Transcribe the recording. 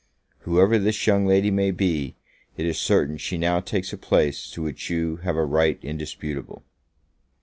Whoever this young lady may be, it is certain she now takes a place to which you have a right indisputable.